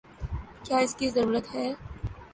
کیا اس کی ضرورت ہے؟